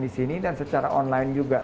di sini dan secara online juga